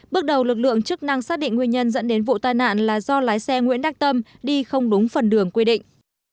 bước đầu lực lượng chức năng xác định nguyên nhân dẫn đến vụ tai nạn là do lái xe nguyễn đắc tâm đi không đúng phần đường quy định